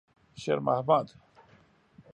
شېرمحمد.